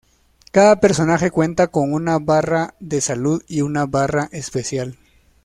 Cada personaje cuenta con una barra de salud y una barra especial.